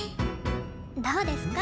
どうですか？